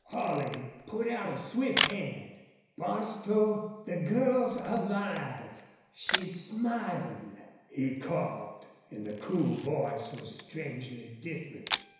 Holley put out a swift hand. "Bostil the girl's alive she's smilin'!" he called, and the cool voice was strangely different.